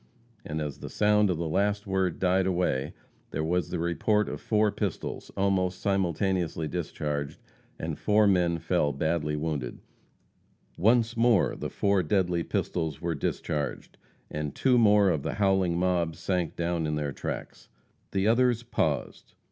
And as the sound of the last word died away, there was the report of four pistols, almost simultaneously discharged, and four men fell badly wounded; once more the four deadly pistols were discharged, and two more of the howling mob sank down in their tracks. The others paused.